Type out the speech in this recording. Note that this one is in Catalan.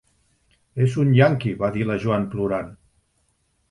És un ianqui, va dir la Joan plorant.